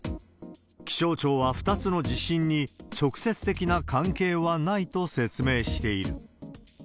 気象庁は２つの地震に直接的な関係はないと説明している。